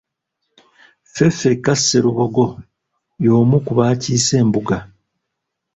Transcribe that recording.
Ffeffekka Sserubogo y’omu ku bakiise Embuga.